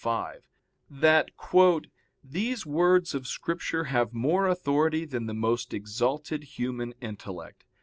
ii, 5) that, "These words of Scripture have more authority than the most exalted human intellect.